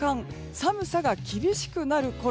寒さが厳しくなるころ。